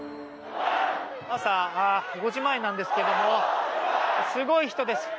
朝５時前なんですがすごい人です。